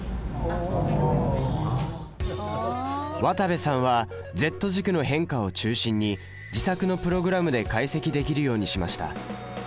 渡部さんはＺ軸の変化を中心に自作のプログラムで解析できるようにしました。